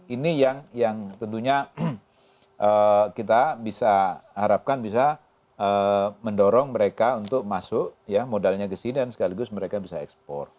ini yang tentunya kita bisa harapkan bisa mendorong mereka untuk masuk ya modalnya kesini dan sekaligus mereka bisa ekspor